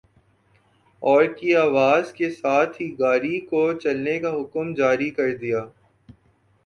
اور کی آواز کے ساتھ ہی گاڑی کو چلنے کا حکم جاری کر دیا ۔